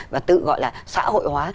và tự gọi là xã hội hóa